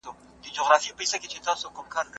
څېړنه د کومو دلیلونو اړتیا لري؟